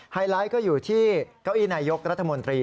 ไลท์ก็อยู่ที่เก้าอี้นายกรัฐมนตรี